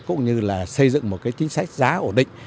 cũng như xây dựng một chính sách giá ổn định